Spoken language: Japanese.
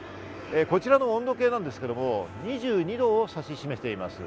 こちらの温度計ですが２２度を指し示しています。